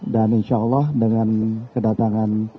dan insyaallah dengan kedatangan